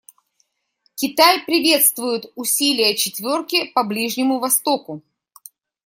Китай приветствует усилия «четверки» по Ближнему Востоку.